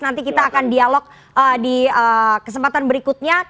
nanti kita akan dialog di kesempatan berikutnya